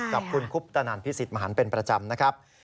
กับคุณคุปตนันพิสิทธิมหันเป็นประจำนะครับ